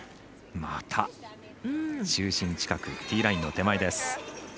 また中心近くティーライン付近です。